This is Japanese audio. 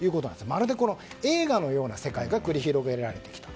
まるで映画のような世界が繰り広げられてきた。